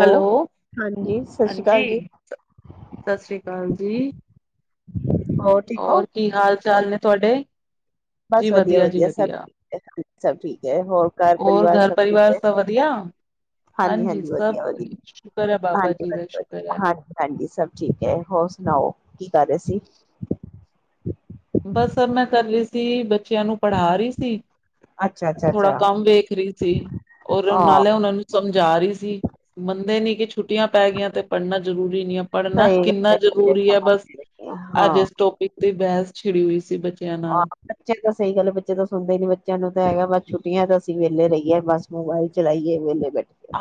Hello ਹਾਂਜੀ ਸਤਿ ਸ਼੍ਰੀ ਅਕਾਲ ਹਾਂਜੀ ਜੀ। ਸਤਿ ਸ੍ਰੀ ਅਕਾਲ ਜੀ ਠੀਕ ਹੋ? ਹੋਰ ਕੀ ਹਾਲ ਚਾਲ ਨੇ ਤੁਹਾਡੇ ਬਸ ਵਧੀਆ ਵਧੀਆ ਸਭ ਠੀਕ ਹ ਸਭ ਠੀਕ ਹੈ ਹੋਰ ਘਰ ਹੋਰ ਪਰਿਵਾਰ ਘਰ ਸਭ ਠੀਕ ਪਰਿਵਾਰ ਹੈ ਸਭ ਵਧੀਆ? ਹਾਂਜੀ ਹਾਂਜੀ ਸਭ ਵਧਆ ਵਧੀਆ ਸ਼ੁਕਰ ਹੈ ਬਾਬਾ ਹਾਂਜੀ ਜੀ ਦਾ ਵ ਸ਼ੁਕਰ ਹੈ। ਹਜੀ ਹਾਂਜੀ ਸਭ ਠੀਕ ਹੈ ਹੋਰ ਸੁਣਾਓ ਕੀ ਕਰ ਰਹੇ ਸੀ ਅੱ [inaudible] ਬਸ ਅਬ ਮੈਂ ਕਰ ਰਹੀ ਸੀ ਬੱਚਿਆਂ ਨੂੰ ਪੜ੍ਹਾ ਰਹੀ ਸੀ ਅੱਛਾ ਅੱਛਾ ਥੋੜਾ ਅੱਛਾ। ਕੰਮ ਵੇਖ ਰਹੀ ਸੀ ਔਰ ਉਹ ਆਹ ਨਾਲੇ ਉਹਨਾਂ ਨੂੰ ਸਮਝਾ ਰਹੀ ਸੀ ਮੰਨਦੇ ਨੀ ਛੁੱਟੀਆਂ ਪੈ ਗਆਂ ਤੇ ਪੜ੍ਹਨਾ ਜ਼ਰੂਰੀ ਨਹੀਂ ਆ ਪੜ੍ਹਨਾ ਸਹੀ ਕਿੰਨਾ ਗੱਲ ਜ਼ਰੂਰੀ ਹੈ ਬਸ ਅੱਜ ਹਾਂ। ਇਸ ਟੋਪਿਕ ਤੇ ਬੈਸ ਛਿੜੀ ਹੋਈ ਸੀ ਬੱਚਿਆਂ ਨਾਲ ਬੱਚਿਆਂ ਤਾਂ ਸਹੀ ਗੱਲ ਹੈ ਬੱਚੇ ਤਾਂ ਸੁਣਦੇ ਹੀ ਨੀ ਬੱਚਿਆਂ ਨੂੰ ਤਾਂ ਹੈਗਾ ਬਸ ਛੁੱਟੀਆਂ ਤਾਂ ਅਸੀਂ ਵਹਲੇ ਰਹੀਏ ਬਸ ਮੋਬਾਇਲ ਚਲਾਈਏ ਵਹਲੇ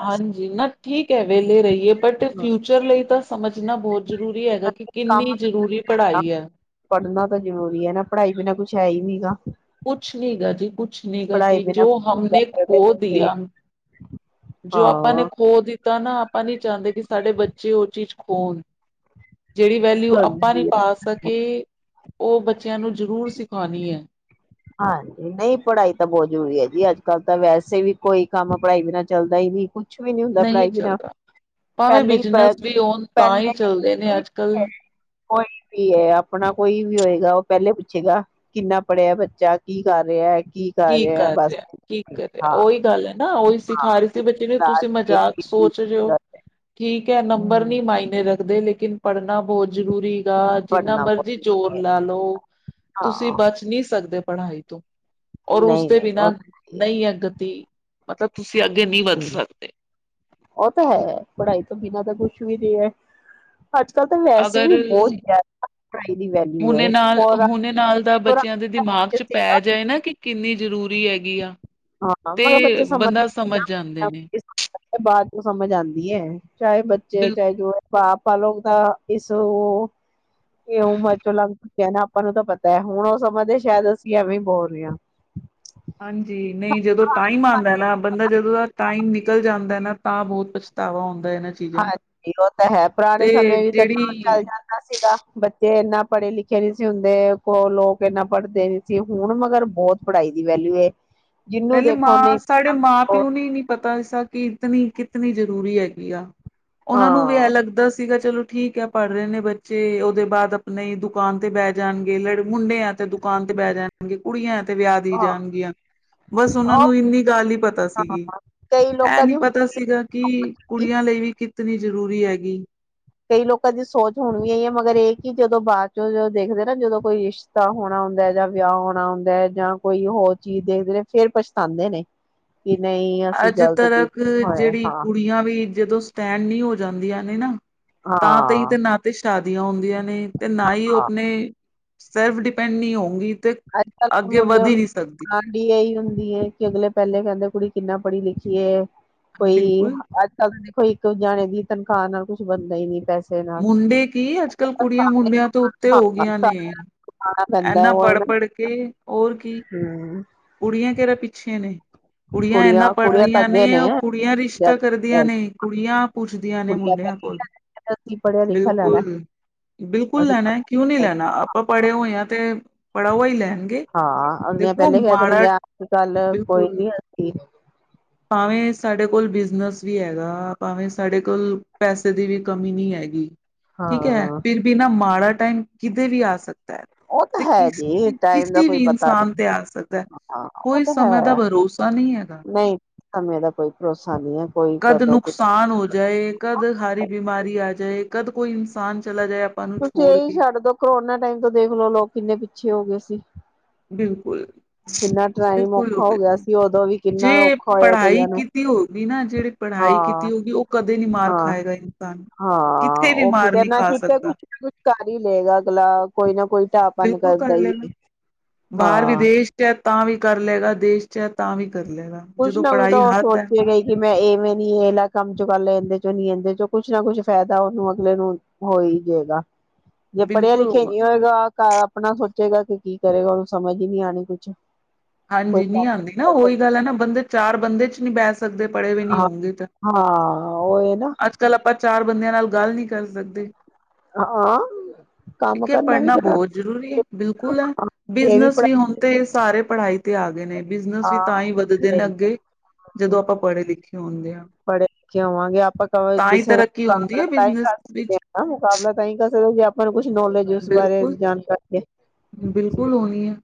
ਹਾਂਜੀ ਨਾ ਠੀਕ ਹੈ ਵੇਲੇ ਰਹੀਏ ਬਟ ਫਿਊਚਰ ਲਈ ਤਾਂ ਸਮਝ ਬਹੁਤ ਜ਼ਰੂਰੀ ਹੈਗਾ ਕਿ ਕੰਮ ਕਿੰਨੀ ਜ਼ਰੂਰੀ ਪੜ੍ਹਾਈ ਹੈ ਪੜ੍ਹਨਾ ਜ਼ਰੂਰੀ ਹੈ ਨਾ ਪੜ੍ਹਾਈ ਬਿਨਾ ਕੁੱਛ ਹੈ ਹੀ ਨੀ ਗਗਾ ਕੁਛ ਨਹੀਂੀ ਗਾ ਜੀ ਕੁਛ ਨਹੀਂੀ ਗਾ ਪੜ੍ਹਾਈ ਜੀ ਜੋ ਬਿਨਾਂ ਕੁਛ ਨੀ ਹਮ ਕਰ ਨੇ ਖੋ ਸਕਦੇ ਦ ਤੁਸੀਂ ਜੋ ਆਪਾਂ ਨੇ ਹਾਂ। ਖੋ ਦਿੱ ਤਾਂ ਨਾ ਆਪਾਂ ਨੀ ਚਾਹੁੰਦੇ ਕਿ ਸਾਡੇ ਬੱਚੇ ਉਹ ਚੀਜ਼ ਹਨ ਜਿਹੜੀ ਵੈਲਿਊ ਆਪਾਂ ਨਹੀਂੀ ਹਾਂਜੀ। ਪਾ ਸਕੇ ਉਹ ਬੱਚਿਆਂ ਨੂੰ ਜ਼ਰੂਰ ਸਿਖਾਉਣੀ ਹੈ ਹਾਂਜੀ ਨਹੀਂ ਪੜ੍ਹਾਈ ਤਾਂ ਬਹੁਤ ਜ਼ਰੂਰੀ ਹੈ ਜੀ ਅੱਜ ਕੱਲ੍ਹ ਤਾਂ ਵੈਸੇ ਵੀ ਕੋਈ ਕੰਮ ਪੜ੍ਹਾਈ ਬਨਾਂ ਚੱਲਦਾ ਹੀ ਨਹੀਂੀ ਕੁ ਨਹੀਂ ਚੱਲਦਾ ਭਾਵੇਂ ਪਹਿਲੇ ਹੀ ਪ ਬਿਜਨਸ ਵੀ ਹੋਉਣ ਤਾਂ ਹੀ ਪਹਿਲੇ ਚੱਲਦੇ ਨੇ ਅੱਜ ਕੱਲ ਕੋਈ ਵੀ ਹੈ ਆਪਣਾ ਕੋਈ ਵੀ ਹੋਏਗਾ ਉਹ ਪਹਿਲੇ ਪੁੱਛੇਗਾ ਕਿੰਨਾ ਪੜ੍ਹਿਆ ਬਾ ੱਚਾ ਕੀ ਕਰ ਰਿਹਾ ਕੀ ਕਰ ਰਿਹਾ ਕੀ ਕਰ ਰਿਹਾ ਹਾਂ ਉਹੀ ਗੱਲ ਹੈ ਨਾ ਉਹੀ ਹਾਂ ਸਿਖਾ ਰਹੀ ਸੀ ਬੱਚੇ ਨੂੰ ਤੁਸੀਂ ਮਜ਼ਾਕ ਸੋਚ ਰਿ ਹੋ ਠੀਕ ਨੰਬਰ ਨੀ ਮਾਇਨੇ ਰੱਖ ਦੇ ਲੇਕਨ ਪੜ੍ਹਨਾ ਬਹੁਤ ਜ਼ਰੂਰੀ ਗ ਜਿੰਨਾ ਪੜ੍ਹਨਾ ਬਹੁਤ ਮਰਜ਼ੀ ਜ਼ਰੂਰੀ ਜ਼ੋਰ ਹੈ ਲਾ ਲਓ ਤੁਸੀਂ ਹਾਂ ਬਚ ਨਹੀਂ ਸਕਦੇ ਪੜ੍ਹਾਈ ਤੋਂ ਔਰ ਨਹੀਂ ਉਸਦੇ ਨਹੀਂ ਬਿਨਾਂ ਉਹ ਨਹੀਂ ਅਗਤੀ ਮਤਲਬ ਤੁਸੀਂ ਅੱਗੇ ਨਹੀਂ ਵੱਧ ਹਮ ਸਕਦੇ ਉਹ ਤਾਂ ਹੈ ਪੜ੍ਹਾਈ ਤੋਂ ਬਿਨਾਂ ਤੱਕ ਕੁਛ ਵੀ ਨਹੀਂ ਹੈ ਅੱਜ ਕੱਲ ਤਾਂ ਵੈਸੇ ਅਗਰ ਵੀ ਬਹੁਤ ਜ਼ਿਆਦਾ ਕੜ ਦੀ ਵੈਲਊ ਹੈ ਹੁਣੇ ਨਾਲ ਹੁਣੇ ਨਾਲ ਦਾ ਬੱਚਿਆਂ ਦੇ ਦਿਮਾਗ 'ਚ ਪੈ ਜਾਏ ਨਾ ਕਿ ਕਿੰਨੀ ਜ਼ਰੂਰੀ ਹੈਗੀ ਆ ਹਾਂ ਮਗਰ ਤੇ ਬੱਚੇ ਸਮਝ ਬੰਦਾ ਜਾਂਦੇ ਨੇ ਬਾਅਦ ਉਹ ਸਮਝ ਆਉਂਦੀ ਹੈ ਚਾਹੇ ਬੱਚੇ ਬਿਲ ਚਾਹੇ ਜੋ ਹੈ ਪਾ ਆਪਾਂ ਲੋਕ ਦਾ ਇਸ ਉਹ ਇਹ ਉਮਰ ਚੋਂ ਲੰਗ ਚੱਕਿਆ ਨਾ ਆਪਾਂ ਨੂੰ ਤਾਂ ਪਤਾ ਹੈ ਹੁਣ ਉਹ ਸਮਾਂ ਦੇ ਸ਼ਾਇਦ ਅਸੀਂ ਐਵੇਂ ਹੀ ਬੋਲ ਰਹੇ ਹਾਂ ਹਾਂਜੀ ਨਹੀਂ ਜਦੋਂ ਟਾਈਮ ਆਉਂਦਾ ਨਾ ਬੰਦਾ ਜਦੋਂ ਦਾ ਟਾਈਮ ਨਿਕਲ ਜਾਂਦਾ ਨਾ ਤਾਂ ਬਹੁਤ ਪਛਤਾਵਾ ਹੁੰਦਾ ਇਹਨਾਂ ਚੀਜ਼ਾਂ ਦਾ ਹਾਂਜੀ ਉਹ ਤਾਂ ਹੈ ਪੁਰਾਣੇ ਤੇ ਸਮੇਂ ਵੀ ਤਾਂ ਚ ਜਿਹੜੀ ਚੱਲ ਜਾਂਦਾ ਸੀਗਾ ਬੱਚੇ ਇੰਨਾ ਪੜ੍ਹੇ ਲਿਖੇ ਨਹੀਂੀ ਸੀ ਹੁੰਦੇ ਕੋ ਲੋਕ ਇੰਨਾ ਪੜ੍ਹਦੇ ਨੀ ਸੀ ਹੁਣ ਮਗਰ ਬਹੁਤ ਪੜ੍ਹਾਈ ਦੀ ਵੈਲਿਊ ਜਿਹਨੂੰ ਪਹਿਲੇ ਦੇਖੋ ਮਾਂ ਨਹੀਂ ਸਾਡੇ ਮਾਂ ਉਹ ਪਿਓ ਨੂੰ ਨੀ ਪਤਾ ਇਸਦਾ ਕਿ ਕਿਤਨੀ ਕਿਤਨੀ ਜ਼ਰੂਰੀ ਹੈਗੀ ਆ ਉਹਨਾਂ ਨੂੰ ਵੀ ਐ ਹਾਂ ਲੱਗਦਾ ਸੀਗਾ ਚਲੋ ਠੀਕ ਹੈ ਪੜ੍ਹ ਰਹੇ ਨੇ ਬੱਚੇ ਉਹਦੇ ਬਾਅਦ ਆਪਣੇ ਦੁਕਾਨ ਤੇ ਬਹਿ ਜਾਣਗੇ ਲੜ ਮੁੰਡਿਆਂ ਤੇ ਦੁਕਾਨ ਤੇ ਬਹਿ ਜਾਣਗੇ ਕੁੜੀਆਂ ਤੇ ਵਿਆ ਦੀ ਹਾਂ ਜਾਣਗੀਆਂ ਬਸ ਉਹਨਾਂ ਉਹ ਨੂੰ ਇੰਨੀ ਗੱਲ ਨ ਪਤਾ ਹਾਂ ਸੀਗੀ ਕਈ ਇਹ ਲੋਕਾਂ ਨੀ ਦੀ ਪਤਾ ਸੀਗਾ ਕਿ ਕੁੜੀਆਂ ਲਈ ਵੀ ਕਿਤਨੀ ਜ਼ਰੂਰੀ ਹੈਗੀ ਕਈ ਲੋਕਾਂ ਦੀ ਸੋਚ ਹੁਣ ਵੀ ਆਈ ਹੈ ਮਗਰ ਇਹ ਕਿ ਜਦੋਂ ਬਾਅਦ ਚੋਂ ਦੇਖਦੇ ਨਾ ਜਦੋਂ ਕੋਈ ਰਿਸ਼ਤਾ ਹੋਣਾ ਹੁੰਦਾ ਜਾਂ ਵਿਆਹ ਹੋਣਾ ਹੁੰਦਾ ਜਾਂ ਕੋਈ ਹੋਰ ਚੀਜ਼ ਦੇਖਦੇ ਨੇ ਫੇਿਰ ਪਛਤਾਉਂਦੇ ਨੇ ਕਿ ਨਹੀਂ ਅਸੀਂ ਅੱਜ ਗ਼ਲਤ ਤੱਕ ਕੀਤੀ ਹੋਏ ਜਿਹੜੀ ਹਾਂ ਕੁੜੀਆਂ ਵੀ ਜਦੋਂ ਸਟੈਂਡ ਨਹੀਂ ਹੋਈ ਜਾਂਦੀਆਂ ਨੇ ਨਾ ਹਾਂ ਤਾਂ ਤ ਹੀ ਤੇ ਨਾ ਤੇ ਸ਼ਾਦੀਆਂ ਹੁੰਦੀਆਂ ਨੇ ਤੇ ਨਾ ਹੀ ਹਾਂ ਉਹ ਆਪਣੇ ਸਲਫ ਡਿਪੈਂਡ ਨਹੀਂ ਹੋਊਗੀ ਤੇ ਅੱਜ ਕੱਲ ਅੱਗੇ ਮੁੰਡੇ ਵਧ ਹੀ ਵਾਲ ਨਹੀਂ ਸਕਦੀ ਆਡੀ ਇਹੀ ਹੁੰਦੀ ਹੈ ਕਿ ਅਗਲੇ ਪਹਿਲੇ ਕਹਿੰਦੇ ਕੁੜੀ ਕਿੰਨਾ ਪੜ੍ਹੀ ਲਿਖੀਏ ਕੋਈ ਬਿਲਕੁਲ ਅੱਜ ਕੱਲ ਤਾਂ ਦੇਖੋ ਇੱਕ ਜਾਣੇ ਦੀ ਤਨਖਾਹ ਨਾਲ ਕੁੱਝ ਬਣਦਾ ਹੀ ਨੀ ਪੈਸੇ ਨਾਲ ਮੁੰਡੇ ਕੀ ਅੱਜ ਕੱਲ੍ਹ ਕੁੜੀਆਂ ਸਾਰੇ ਮੁੰਡਿਆਂ ਤੋਂ ਉੱਤੇ ਹਾਂ ਹੋ ਗਈਆਂ ਨੇ ਸਾਰਿਆਂ ਨੂੰ ਖਾਣਾ ਪੈਂਦਾ ਇਨਾ ਉਹ ਪੜ੍ਹ ਨਾ ਪੜ੍ਹ ਕੇ ਕਿ ਹੋਰ ਕੀ ਹਮ ਕੁੜੀਆਂ ਕਿਹੜਰਾ ਪਿੱਛੇ ਨੇ ਕੁੜੀਆਂ ਇਨਾ ਪੜ੍ਹ ਕੁੜੀਆਂ ਤਾਂ ਰਹੀਆਂ ਅੱਗੇ ਨੇ ਉਹ ਕੁੜੀਆਂ ਰਿਸ਼ਤਾ ਕਰਦੀਆਂ ਨੇ ਕੁੜੀਆਂ ਪੁੱਛਦੀ ਆਂ ਨੇ ਕੁੜੀਆਂ ਮੁੰਡਿਆਂ ਕਹਿੰਦੀਆਂ ਕੋਲ ਅਸੀਂ ਪੜ੍ਹਿਆ ਲਿਖਿਆ ਲੈਣਾ ਬਿਲਕੁਲ ਬਿਲਕੁਲ ਅਸੀਂ ਲੈਣਾ ਪੜ੍ਹਿਆ ਕਿਉਂ ਨੀ ਲੈਣਾ ਆਪਾਂ ਪੜ੍ਹੇ ਹੋਏ ਹ ਤੇ ਪੜਾਵਾ ਹੀ ਲੈਣਗੇ ਦੇਖੋ ਮਾੜਾ ਜਿਹੜੀਆਂ ਅੱਜ ਕੱਲ ਕੋਈ ਬਿਲਕੁਲ ਨ ਭਾਵੇਂ ਸਾਡੇ ਕੋਲ ਬਿਜਨਸ ਵੀ ਹੈਗਾ ਭਾਵੇਂ ਸਾਡੇ ਕੋਲ ਪੈਸੇ ਦੀ ਵੀ ਕਮੀ ਨਹੀਂ ਹੈਗੀ ਹਾਂ ਠੀਕ ਹੈ ਫਿਰ ਵੀ ਨਾ ਮਾੜਾ ਟਾਈਮ ਕਿਤੇ ਵੀ ਆ ਸਕਦਾ ਉਹ ਤਾਂ ਤੇ ਹੈ ਕਿਸ ਜੀ ਟਾਈਮ ਦਾ ਕਿਸੇ ਕੋਈ ਵੀ ਪਤਾ ਇਨਸਾਨ ਨਹੀਂ ਤੇ ਆ ਸਕਦਾ ਹਾਂ ਉਹ ਕੋਈ ਤਾਂ ਹੈ ਸਮੇਂ ਦਾ ਭਰੋਸਾ ਨਹੀਂ ਹੈਗਾ ਨਹੀਂ ਸਮੇਂ ਦਾ ਕੋਈ ਭਰੋਸਾ ਨਹੀਂ ਹੈ ਕੋਈ ਕਦ ਕਦੋਂ ਕੁ ਨੁਕਸਾਨ ਹੋ ਜਾਏ ਕਦ ਹਾਰੀ ਬਿਮਾਰੀ ਆ ਜਾਏ ਕਦ ਕੋਈ ਇਨਸਾਨ ਚਲਾ ਜਾਏ ਆਪਾਂ ਨੂੰ ਤੁਸੀਂ ਛੋੜ ਇਹੀ ਕੇ ਛੱਡ ਦੋ ਕਰੋਨਾ ਟਾਈਮ ਤੋਂ ਦੇਖ ਲੋ ਲੋਕ ਕਿੰਨੇ ਪਿੱਛੇ ਹੋ ਗਏ ਸੀ ਬਿਲਕੁਲ ਕਿੰਨਾ ਟਾਈਮ ਬਿਲਕੁਲ ਔਖਾ ਉਹ ਹੋ ਵੀਰ ਗਿਆ ਜੀ ਸੀ ਉਦੋਂ ਵੀ ਕਿੰਨਾ ਜੇ ਔਖਾ ਹੋਇਆ ਪੜ੍ਹਾਈ ਕਈਆਂ ਨੂੰ ਕੀਤੀ ਹੋ ਗ ਨਾ ਜਿਹੜੀ ਹਾਂ ਪੜ੍ਹਾਈ ਕੀਤੀ ਹੋ ਗ ਉਹ ਕਦੇ ਨੀ ਮਾਰ ਹਾਂ ਖਾਏਗਾ ਇਨਸਾਨ ਹਾਂ ਕਿੱਥੇ ਵੀ ਉਹ ਮਾਰ ਕਿਤੇ ਨਹੀਂ ਨਾ ਖਾ ਚਤੇ ਸਕਦਾ। ਕੁਛ ਨਾ ਕੁਛ ਕਰ ਹੀ ਲਏਗਾ ਅਗਲਾ ਕੋਈ ਨਾ ਕੋਈ ਢਾਹਪਨ ਬਿਲਕੁਲ ਕਰਦਾ ਕਰ ਹੀ ਲਏਗਾ। ਬਾਹਰ ਹਾਂ ਵਿਦੇਸ਼ ਚ ਤਾਂ ਵੀ ਕਰ ਲਏਗਾ ਦੇਸ਼ ਚ ਤਾਂ ਵੀ ਕਰ ਲਏਗਾ। ਕੁਛ ਜਦੋਂ ਨਾ ਕੁਛ ਤਾਂ ਪੜ੍ਹਾਈ ਉਹ ਹੱਥ ਹੈ ਸੋਚੇ ਗ ਹੀ ਕਿ ਮੈਂ ਇਵੇਂ ਨੀ ਇਹਲਾ ਕੰਮ ਚੋਂ ਕਰ ਲ ਇਹਦੇ ਚੋਂ ਨੀ ਇਹਦੇ ਚ ਕੁਛ ਨਾ ਕੁਛ ਫਾਇਦਾ ਉਹਨੂੰ ਅਗਲੇ ਨੂੰ ਹੋ ਹੀ ਜਾਏਗਾ ਜੇ ਪੜ੍ਹੇ ਬਿਲਕੁਲ ਲਿਖੇ ਹੋਊਗਾ। ਨਹੀਂ ਹੋਏਗਾ ਘ ਆਪਣਾ ਸੋਚੇਗਾ ਕਿ ਕੀ ਕਰੇਗਾ ਉਹਨੂੰ ਸਮਝ ਹੀ ਨਹੀਂੀ ਆਉਣੀ ਕੁਛ ਕੋਈ ਹਾਂਜੀ ਨੀ ਕੰਮ ਆਉਂਦੀ ਨਾ ਉਹੀ ਗੱਲ ਹੈ ਨਾ ਬੰਦੇ ਚਾਰ ਬੰਦੇ ਚ ਨੀ ਬੈਸ ਸਕਦੇ ਪੜ੍ਹੇ ਹੋਏ ਨਹੀਂ ਹਾਂ ਹੋਗੇ ਤਾਂ ਹਾਂ ਉਹ ਇਹ ਨਾ ਅੱਜ ਕੱਲ ਆਪਾਂ ਚਾਰ ਬੰਦਿਆਂ ਨਾਲ ਗੱਲ ਨਹੀਂੀ ਕਰ ਸਕਦੇ ਹਾਂ ਕੰਮ ਠੀਕ ਹੈ ਕਰਨਾ ਵੀ ਪੜ੍ਹਨਾ ਕਰਾ ਬਹੁਤ ਜ਼ਰੂਰੀ ਹੈ ਬਿਲਕੁਲ ਬਿਜਨਸ ਵੀ ਹਣ ਤੇ ਸਾਰੇ ਪੜ੍ਹਾਈ ਤੇ ਆ ਗਏ ਨੇ ਬਿਜਨਸ ਵੀ ਤਾਂ ਹਾਂ ਹੀ ਵੱਧਦੇ ਨੇ ਅੱਗੇ ਜਦੋਂ ਆਪਾਂ ਪੜ੍ਹੇ ਲਿਖੇ ਹੁੰਦੇ ਆ ਪੜ੍ਹੇ ਲਿਖੇ ਹੋਵਾਂਗੇ ਆਪਾਂ ਹੀ ਕਿਸੇ ਦਾ ਤਰੱਕੀ ਹੁੰਦੀ ਮੁਕਾਬਲਾ ਹੈ ਤਾਂ ਹੀ ਬਿਜਨਸ ਕਰ ਸਕਦੇ ਵਿੱਚ ਹ ਮੁਕਾਬਲਾ ਤਾਂ ਕਰ ਸਕਦੇ ਬਰ ਕੁ [unintelligible] ਨੌਲੇਜ ਉਸ ਬਾਰੇ ਬਿਲਕੁਲ, ਜਾਣਕਾਰੀ ਦੇ ਬਿਲਕੁਲ ਉਹ ਨਹੀਂ ਹੈ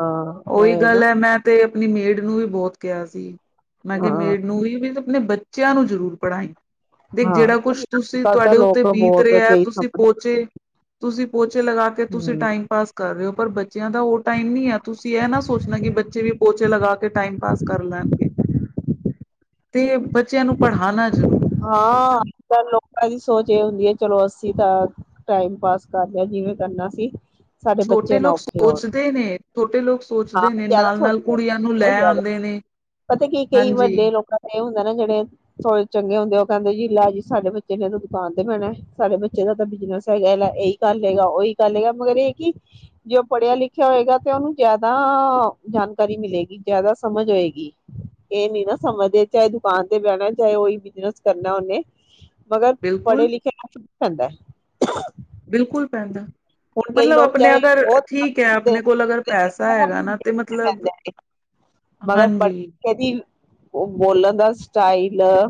ਹਾਂ ਉਹ ਉਹੀ ਨਾ ਗੱਲ ਹੈ ਮੈਂ ਤੇ ਆਪਣੀ ਮੇੜ ਨੂੰ ਵੀ ਬਹੁਤ ਕਿਹਾ ਸੀ ਮੈਂ ਕਿਹਾ ਹਾਂ ਮੇਢ ਨੂੰ ਵੀ ਵੀ ਨੇ ਬੱਚਿਆਂ ਨੂੰ ਜ਼ਰੂਰ ਪੜ੍ਹਾਈ ਦੇ ਹਾਂ ਜਿਹੜਾ ਅੱਜ ਕੁਛ ਤੁਸੀਂ ਕੱਲ ਤਾਂ ਤੁਹਾਡੇ ਉੱਤੇ ਲੋਕ ਬੀਤ ਬਹੁਤ ਰਿਹਾ ਕਈ ਤੁਸੀਂ ਸਮਝਦਾ ਪਹੁੰਚੇ ਤੁਸੀਂ ਪੋਚੇ ਲਗਾ ਕੇ ਤੁਸੀਂ ਹਮ ਟਾਈਮ ਪਾਸ ਕਰ ਰਹੇ ਹੋ ਪਰ ਬੱਚਿਆਂ ਦਾ ਉਹ ਟਾਈਮ ਨੀ ਹੈ ਤੁਸੀਂ ਇਹ ਨਾ ਸੋਚਣਾ ਕਿ ਬੱਚੇ ਵੀ ਪੋਚੇ ਲਗਾ ਕੇ ਟਾਈਮ ਪਾਸ ਕਰ ਲੈਣਗੇ ਤੇ ਬੱਚਿਆਂ ਨੂੰ ਪੜ੍ਹਾ ਹਾਂ ਅੱ ਕੱਲ ਲੋਕਾਂ ਦੀ ਸੋਚ ਇਹ ਹੁੰਦੀ ਹੈ ਚਲੋ ਅ ਅਸੀਂ ਤਾਂ ਟਾਈਮ ਪਾਸ ਕਰਦੇਿਆ ਜਿਵੇਂ ਕਰਨਾ ਸੀ ਸਾਡੇ ਛੋਟੇ ਬੱਚੇ ਨਾ ਲੋਕ ਔਖੇ ਹੋਣ ਸੋਚਦੇ ਨੇ ਛੋਟੇ ਲੋਕ ਹਾਂ ਸੋਚਦੇ ਨੇ ਜ਼ਿਆਦਾ ਨਾਲ ਨਾਲ ਸੋਚਦੇ ਕੁੜੀਆਂ ਨੂੰ ਬਹੁਤ ਲੈ ਜ਼ਿਆਦਾ ਆਉਂਦੇ ਨੇ ਪਤਾ ਕੀ ਕਈ ਵੱਡੇ ਹਾਂਜੀ ਲੋਕਾਂ ਤੇ ਹੁੰਦਾ ਨਾ ਜਿਹੜੇ ਥੋੜ੍ਹੇ ਚੰਗੇ ਹੁੰਦੇ ਉਹ ਕਹਿੰਦੇ ਜੀ ਲੈ ਜੀ ਸਾਡੇ ਬੱਚੇ ਨੇ ਤਾਂ ਦੁਕਾਨ ਤੇ ਪੈਣਾ ਸਾਡੇ ਬੱਚੇ ਦਾ ਤਾਂ ਬਿਜਨਸ ਹੈਗਾ ਲੈ ਇਹੀ ਗੱਲ ਹੈਗਾ ਉਹੀ ਗੱਲ ਹੈਗਾ ਮਗਰ ਇਹ ਕਿ ਜੇ ਉਹ ਪੜ੍ਹਿਆ ਲਿਖਿਆ ਹੋਏਗਾ ਤੇ ਉਹਨੂੰ ਜ਼ਿਆਦਾ ਜਾਣਕਾਰੀ ਮਿਲੇਗੀ ਜਿਆਦਾ ਸਮਝ ਹੋਏਗੀ ਇਹ ਨੀ ਨਾ ਸਮਝ ਦੇ ਚਾਹੇ ਦੁਕਾਨ ਤੇ ਬਹਿਣਾ ਚਾਹੇ ਉਹੀ ਬਿਜਨਸ ਕਰਨਾ ਉਹਨੇ ਮਗਰ ਪੜ੍ਹੇ ਬਿਲਕੁਲ ਲਿਖੇ ਜਾਂਦਾ ਬਿਲਕੁਲ ਪੈਂਦਾ, ਹੁਣ ਕਈ ਮਤਲਬ ਲੋਕ ਆਪਣੇ ਚਾਹੇ ਅਗਰ ਬਹੁਤ ਠੀਕ ਹੈ ਆਪਣੇ ਕੋਲ ਅਗਰ ਪੈਸਾ ਹੈਗਾ ਨਾ ਤੇ ਮਤਲਬ, ਹਾਂਜੀ। ਕਹਿੰਦੀ, ਉਹ ਬੋਲਣ ਦਾ ਸਟਾਈਲ ਨਾ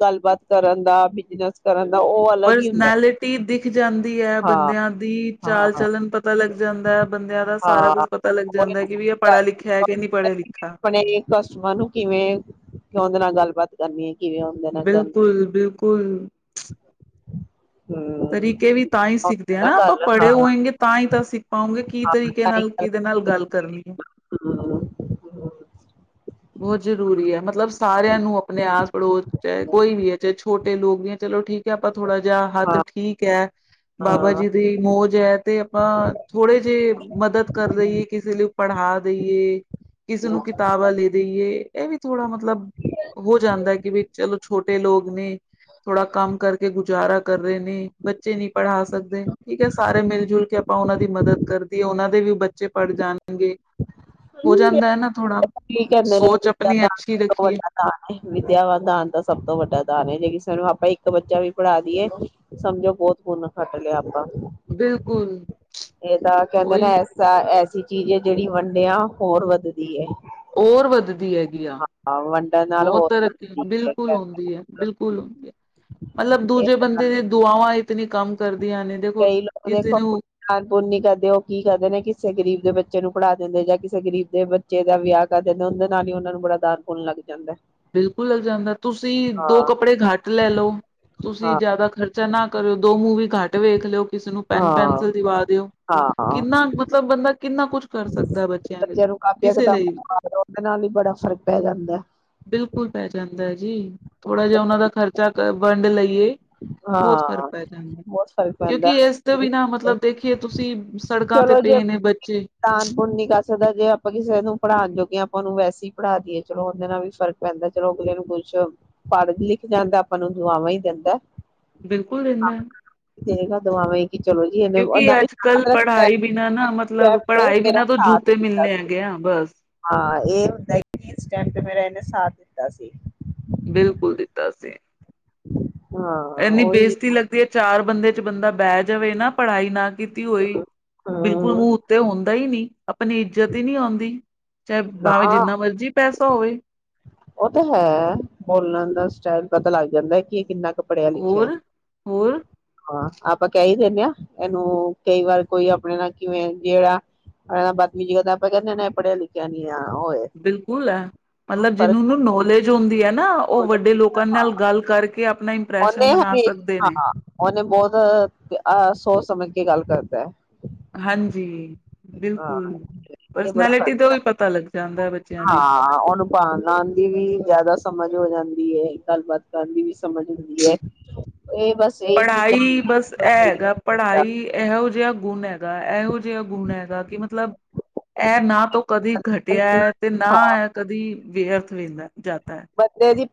ਗੱਲਬਾਤ ਕਰਨ ਦਾ ਬਿਜਨਸ ਕਰਨ ਦਾ ਉਹ ਅਲੱਗ ਹੀ ਹੁੰਦਾ ਪਰਸਨੈਲਿਟੀ ਦਿਖ ਜਾਂਦੀ ਹੈ ਹਾਂ ਬੰਦਿਆਂ ਦੀ ਚਾਲ- ਹਾਂ ਚਲਣ ਪਤਾ ਲੱਗ ਜਾਂਦਾ ਹੈ ਬੰਦਿਆਂ ਦਾ ਸਾਰਾ ਹਾਂ ਕੁਛ ਪਤਾ ਲੱਗ ਆਪਣੇ ਜਾਂਦਾ ਕਿ ਵੀ ਇਹ ਪੜ੍ਹਿਆ ਲਿਖਿਆ ਹੈ ਕਿ ਨਹੀਂ ਪੜ੍ਹਿਆ- ਲਿਖਿਆ। ਤੁੂੰ ਕਿਵੇਂ, ਕਿਉਂਦੇ ਨਾਲ ਗੱਲਬਾਤ ਕਰਨੀ ਹੈ। ਕਿਵੇਂ ਉਹਦੇ ਨਾਲ ਕਰ ਬਿਲਕੁਲ -ਬਿਲਕੁਲ ਤਰੀਕੇ ਵੀ ਤਾਂ ਹੀ ਹਮ ਸਿੱਖਦੇ ਹ ਨਾ ਆਪਾਂ ਗੱਲ ਹਾਂ ਪੜ੍ਹੇ ਹਾਂ ਹੋਏਗੇ ਤਾਂ ਹੀ ਤਾਂ ਸਿੱਖ ਪਾਉਗੇ ਕੀ ਤਰੀਕੇ ਨਾਲ ਕਿਹਦੇ ਨਾਲ ਗੱਲ ਕਰਨੀ ਹੈ। ਬਹੁਤ ਜ਼ਰੂਰੀ ਹੈ ਮਤਲਬ ਸਾਰਿਆਂ ਨੂੰ ਆਪਣੇ ਆਸ ਪੜੋਸ ਚਾਹੇ ਕੋਈ ਵੀ ਹੈ ਚਾਹੇ ਛੋਟੇ ਲੋਕ ਗਏ ਚਲੋ ਠੀਕ ਹੈ ਆਪਾਂ ਥੋੜਾ ਜਿਹਾ, ਹੱਥ ਹਾਂ ਠੀਕ ਹੈ। ਬਾਬਾ ਹਾਂ ਜੀ ਦੀ ਮੌਜ। ਜੈ ਤੇ ਆਪਾਂ ਥੋੜੇ ਜੇ ਮਦਦ ਕਰ ਲਈਈਏ ਕਿਸੇ ਨੂੰ ਪੜ੍ਹਾ ਦੇਈਏ, ਕਿਸੇ ਹਾਂ ਨੂੰ ਕਿਤਾਬਾਂ ਲੈ ਦੀਏ। ਦੇਈਏ, ਇਹ ਵੀ ਥੋੜਾ ਮਤਲਬ ਹੋ ਜਾਂਦਾ ਕਿ ਵੀ ਚਲੋ ਛੋਟੇ ਲੋਕ ਨੇ, ਥੋੜਾ ਕੰਮ ਕਰਕੇ ਗੁਜ਼ਾਰਾ ਕਰ ਰਹੇ ਨੇ ਬੱਚੇ ਨਹੀਂ ਪੜ੍ਹਾ ਸਕਦੇ ਠੀਕ ਹੈ ਸਾਰੇ ਮਿਲ ਜੁਲ ਕੇ ਆਪਾਂ ਉਹਨਾਂ ਦੀ ਮਦਦ ਕਰਦੀਏ, ਉਹਨਾਂ ਦੇ ਵੀ ਬੱਚੇ ਪੜ੍ਹ ਜਾਣਗੇ ਹੋ ਜਾਂਦਾ ਹੈ ਨਾ ਥੋੜਾ ਕੀ ਕਹਿੰਦੇ ਨੇ, ਵਿੱਦਿਆ ਦਾਨ ਸਭ ਤੋਂ ਵੱਡਾ ਦਾਨ ਹੈ ਵਿਦਿਆ ਦਾਨ ਦਾ ਸਭ ਤੋਂ ਵੱਡਾ ਦਾਨ ਹੈ ਜਿਹੜੀ ਚਲੋ ਆਪਾਂ ਇੱਕ ਬੱਚਾ ਵੀ ਪੜ੍ਹਾ ਦੀਏ ਸਮਝੋ ਬਹੁਤ ਪੁੰਨ ਖੱਟ ਲਿਆ। ਆਪਾਂ ਬਿਲਕੁਲ ਇਹ ਤਾਂ ਕਹਿੰਦੇ ਨਾ ਉਹੀ ਐਸਾ -ਐਸੀ ਚੀਜ਼ ਜਿਹੜੀ ਵੰਡਿਆ ਹਾਂ ਹੋਰ ਵੱਧਦੀਏ। ਹੋਰ ਵੱਧਦੀ ਹੈ। ਯਾ ਵੰਡਣ ਨਾਲ ਬਹੁਤ ਹੋਰ ਤਰੱਕੀ, ਬਿਲਕੁਲ ਹੁੰਦੀ ਹੈ, ਬਿਲਕੁਲ ਹੁੰਦੀ ਹੈ ਮਤਲਬ ਇਹ ਦੂਜੇ ਬੰਦੇ ਦੀ ਦੁਆਵਾਂ ਇਤਨੀ ਕੰਮ ਕਰਦੇ ਕਈ ਲੋਕ ਦੇਖੋ ਖਾਨ- ਪਾਨ ਨਹੀ ਕਰਦੇ ਉਹ ਕੀ ਕਰਦੇ ਨੇ ਕਿਸੇ ਗ਼ਰੀਬ ਦੇ ਬੱਚੇ ਬੱਚੇ ਨੂੰ ਪੜ੍ਹਾ ਦਿੰਦੇ ਜਾਂ ਕਿਸੇ ਗਰੀਬ ਦੇ ਬੱਚੇ ਦਾ ਵਿਆਹ ਕਰ ਦਿੰਦੇ ਉਹਦੇ ਨਾਲ ਹੀ ਉਹਨਾ ਨੂੰ ਬੜਾ ਦਾਨ ਪੁੰਣ ਲੱਗ ਜਾਂਦਾ ਹੈ। ਬਿਲਕੁਲ ਲੱਗ ਜਾਂਦਾ ਤੁਸੀਂ, ਦੋ ਕੱਪੜੇ ਘੱਟ ਲੈ ਲਓ, ਤੁਸੀਂ ਹਾਂ ਜਿਆਦਾ ਖਰਚਾ ਨਾ ਕਰਿਓ। ਦੋ ਮੂਵ ਘੱਟ ਵੇਖ ਲਓ ਕਿਸੇ ਨੂੰ ਪੈਨ ਹਾਂ -ਪੈਨਸਿਲ ਦਿਵਾ ਦਿਓ। ਹਾਂ ਕਿੰਨਾ ਮਤਲਬ ਬੰਦਾ ਕਿੰਨਾ ਕੁਛ ਕਰ ਸਕਦਾ ਲਈ ਬੱਚਿਆਂ ਨੂੰ ਕਾਪੀਆਂ ਕਿਸੇ ਲਈ ਵੀ। -ਕਿਤਾਬਾਂ ਉਹਦੇ ਨਾਲ ਹੀ ਬੜਾ ਫ਼ਰਕ ਪੈ ਜਾਂਦਾ। ਪੁਲ ਪੈ ਜਾਂਦਾ। ਜੀ, ਥੋੜਾ ਜਿਹਾ ਉਹਨਾ ਦਾ ਖਰਚਾ ਵੰਡ ਲਈਏ, ਬਹੁਤ ਫ਼ਰਕ ਹਾਂ ਪੈ ਜਾਂਦਾ ਬਹੁਤ ਫ਼ਰਕ ਪੈਂਦਾ ਕਿਉਕਿ ਇਸ ਤੋਂ ਵੀ ਨਾ ਮਤਲਬ ਦੇਖੀਏ ਤੁਸੀਂ ਸੜਕਾਂ ਤੇ ਚਲੋ ਜੇ ਪਏ ਨੇ ਬੱਚੇ ਦਾਨ ਪੁੰਨ ਨੀ ਉਹਨੂੰ ਵੈਸੇ ਪੜ੍ਹਾ ਦੀਏ ਹੈ ਚਲੋ ਉਹਦੇ ਨਾਲ ਵੀ ਫਰਕ ਪੈਂਦਾ ਚਲੋ ਅਗਲੇ ਨੂੰ ਪੜ ਲਿਖ ਜਾਂਦਾ ਆਪਾਂ ਨੂੰ ਦੁਆਵਾਂ ਹੀ ਦਿੰਦਾ। ਬਿਲਕੁਲ ਦਿੰਦਾ ਦ ਕਿ ਚਲੋ ਜੀ ਇਹਨੇ ਕਿਉਂਕਿ ਅੱਜ ਕੱਲ ਪੜ੍ਹਾਈ ਬਿਨਾਂ ਨਾ ਮਤਲਬ ਪੜ੍ਹਾਈ ਬਿਨਾਂ ਤੋਂ ਜੂਤੇ ਮਿਲਣੇ ਹੈਗੇ ਆ ਬਸ ਹਾਂ ਇ ਮੇ [unintelligible] ਸਾਥ ਦਿੱਤਾ ਸੀ। ਬਿਲਕੁਲ ਦਿੱਤਾ ਸੀ। ਆਡੀਓ ਬਿਲਕੁਲ ਖਾਲੀ ਹੈ। ਇੰਨੀ ਬੇਜਤੀ ਲੱਗਦੀ ਹੈ ਚਾਰ ਬੰਦੇ ਚ ਬੰਦਾ ਬਹਿ ਜਾਵੇ ਨਾ ਪੜ੍ਹਾਈ ਨਾ ਕੀਤੀ ਹੋਈ ਬਿਲਕੁਲ ਹਮ ਮੂੰਹ ਉੱਤੇ ਹੁੰ ਦਈ ਨੀ ਆਪਣੀ ਇੱਜਤ ਹੀ ਨਹੀਂ ਆਉਂਦੀ ਚਾਹੇ ਬਾਵੇਂ ਨਾ ਜਿੰਨਾ ਮਰਜ਼ੀ ਪੈਸਾ ਧੋਵੀ ਉਹ ਤਾਂ ਹੈ ਬੋਲਣ ਦਾ ਸਟਾਈਲ ਪਤਾ ਲੱਗ ਜਾਂਦਾ ਕਿ ਇਹ ਕਿੰਨਾ ਕ ਪੜਿਆਂ ਲਿਖਿਆ, ਹੋਰ ਹੋਰ ਹਾਂ ਆਪਾਂ ਕਹਿ ਹੀ ਦਿੰਦੇ ਹਾਂ ਇਹਨੂੰ ਕਈ ਵਾਰ ਕੋਈ ਆਪਣੇ ਨਾਲ ਕਿਵੇਂ ਜਿਹੜਾ ਆ ਬਦਮੀਜੀ ਕਰਦਾ ਆਪਾਂ ਕਹਿੰਦੇ ਹਾਂ ਨਾ ਇਹ ਪੜ੍ਹਿਆ ਲਿਖਿਆ ਨੀ ਆ ਹੋਏ ਬਿਲਕੁਲ ਹੈ ਮਤਲਬ ਜਿਹਨੂੰ ਨਾ ਨੌਲੇਜ ਹੁੰਦੀ ਆ ਅੱਧੇ ਤੋਂ ਜਿਆਦਾ ਕਰਕੇ ਆਪਣਾ ਆਡੀਓ ਸਮਝ ਇੰਪ੍ਰੈਸ਼ਨ ਨਹੀਂ ਬਣਾ ਸਕਦੇ ਨੇ ਆ ਰਹੀ। ਕੀ ਗੱਲ ਕਰਦਾ ਹੈ। ਹਾਂਜੀ ਹਾਂ ਬਿਲਕੁਲ ਇਹ ਬੜਾ ਪਰਸਨੈਲਿਟੀ ਤੋਂ ਕਰਦਾ, ਵੀ ਪਤਾ ਲੱਗ ਜਾਂਦਾ ਹੈ ਬੱਚਿਆਂ ਦੀ ਹਾਂ ਉਹਨੂੰ ਭ ਲਉਣ ਦੀ ਵੀ ਜਿਆਦਾ ਸਮਝ ਹੋ ਜਾਂਦੀ ਕੀ ਏ ਗੱਲਬਾਤ ਕਰਨ ਦੀ ਵੀ ਸ ਇਹੀ ਚੀਜ਼ਾਂ ਪੜ੍ਹਾਈ ਹੁੰਦੀਆਂ ਬਸ ਇਹ ਹੈਗਾ। ਪੜ੍ਹਾਈ ਇਹੋ ਜਿਹਾ ਗੁਣ ਹੈਗਾ ਇਹੋ ਜਿਹਾ ਗੁਣ ਹੈਗਾ ਕਿ ਮਤਲਬ ਇਹ ਨਾ ਤੋਂ ਕਦੀ ਘਟਿਆ ਹੈ ਤੇ ਨਾ ਹਾਂ ਇਹ ਕਦੀ ਵਿਅਰਥ ਵਹਿੰਦਾ ਜਾ ਬੰਦੇ ਦੀ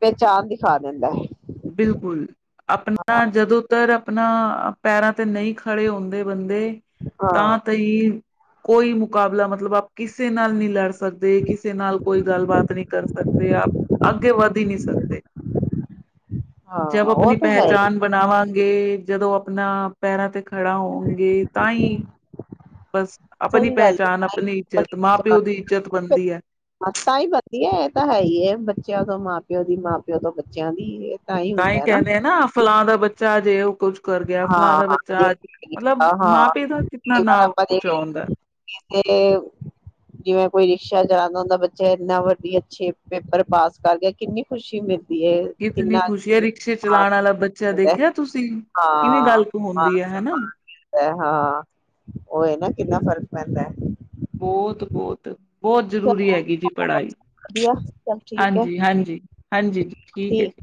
ਪਹਿਚਾਣ ਦਿਖਾ ਦਿੰਦਾ ਹੈ। ਬਿਲਕੁਲ, ਆਪਣਾ ਜਦੋਂ ਤਰ ਆਪਣਾ ਪੈਰਾਂ ਤੇ ਨਹੀਂ ਖੜੇ ਹੁੰਦੇ ਬੰਦ ਹਾਂ, ਤਾਂ ਤਈ ਕੋਈ ਮੁਕਾਬਲਾ, ਮਤਲਬ ਆਪ ਕਿਸੇ ਨਾਲ ਨਹੀਂ ਲੜ ਸਕਦੇ। ਕਿਸੇ ਨਾਲ ਕੋਈ ਗੱਲਬਾਤ ਨਹੀਂ ਕਰ ਸਕਦੇ। ਆਪ ਅੱਗੇ ਵੱਧ ਹੀ ਨਹੀਂੀ ਸਕਦੇ। ਜਬ ਹਾਂ ਉਹ ਆਪਣੀ ਤਾਂ ਹੈ ਹੀ ਪਹਿਚਾਣ ਬਣਾਵਾਂਗੇ। ਜਦੋਂ ਆਪਣਾ ਪੈਰਾਂ ਤੇ ਖੜਾ ਹੋਣਗੇ ਤਾਂ ਹੀ ਬਸ ਆਪਣੀ ਸਹੀ ਗੱਲ ਏ ਪਹਿਚਾਣ ਆਪਣੀ ਇੱਜ਼ਤ ਮਾਂ ਪਿਓ ਦੀ ਇੱਜਤ ਬਣਦੀ ਆ। ਧੀਏ, ਇਹ ਤਾਂ ਹੈ ਹੀ ਬੱਚਿਆਂ ਤੋਂ ਮਾਂ ਪਿਓ ਦੀ ਮਾਂ ਪਿਓ ਤੋਂ ਬੱਚਿਆਂ ਦੀ ਏ। ਤਾਂਈ ਤੇ ਐਂਦੇ ਆ ਨਾ ਫਲਾਂ ਦਾ ਬੱਚ ਚਾਅ ਚ ਇਹੋ ਕੁਛ ਕਰ ਗਿਆ ਫਲਾਂ ਦਾ ਹਾਂ ਜੇ ਬੱਚਾ ਅੱਜ, ਮਤਲਬ ਹਾਂ ਮਾਂ ਪਿਔ ਦਾ ਕਿਤਨਾ ਕਈ ਨਾਂ ਵਾਰ ਆਪਾਂ ਉੱਚਾ ਹੁੰਦੈ। ਸ਼ਾ [unintelligible] ਦਾ ਹੁੰਦੈ ਬੱਚੇ ਇੰਨਾ ਵੱਡੀ ਅੱਛੇ ਪੇਪਰ ਪਾਸ ਕਰ ਗਿਆ ਕਿੰਨੀ ਖੁਸ਼ੀ ਮਿਲ ਕਿਤਨੀ ਖੁਸ਼ੀ ਐ ਰਿਕਸ਼ੇ ਚਲਾਉਣ ਸਨਮਾਨ ਵਾਲਾ ਬੱਚਾ ਮਿਲਦਾ ਦੇਖਿਆ ਤੁਸੀਂ। ਕਿਵੇਂ ਹਾਂ, ਗੱਲ ਹਾਂ ਹੁੰਦੀ ਹੈ ਹਨਾ [unintelligible] ਹਾਂ ਔ ਤੇ ਨਾ ਕਿੰਨਾ ਫ਼ਰਕ ਪੈਂਦੈ। ਬੋਤ, ਬੋਤ ਬੋਤ ਜ਼ਰੂਰੀ ਹੈਗੀ ਜੀ ਪੜ੍ਹਾਈ। ਵਧੀਆ ਸਭ ਠੀਕ ਹੈ ਹਾਂਜੀ, ਹਾਂਜੀ, ਹਾਂਜੀ ਜੀ। ਠੀਕ ਏ ਜੀ।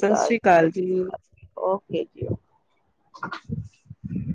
ਸਤਿ ਸ੍ਰੀ ਕਾਲ ਜੀ। ਓਕੇ ਜੀ [unintelligible]